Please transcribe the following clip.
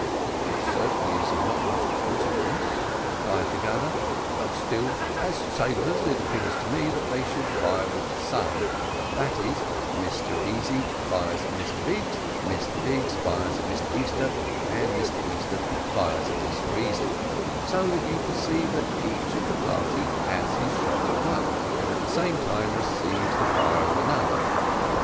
"It certainly is not of much consequence," replied the gunner, "but still, as sailors, it appears to me that they should fire with the sun; that is, Mr Easy fires at Mr Biggs, Mr Biggs fires at Mr Easthupp, and Mr Easthupp fires at Mr Easy, so that you perceive that each party has his shot at one, and at the same time receives the fire of another."